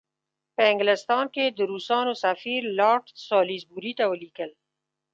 په انګلستان کې د روسانو سفیر لارډ سالیزبوري ته ولیکل.